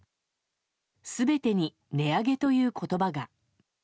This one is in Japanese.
全てに値上げという言葉が。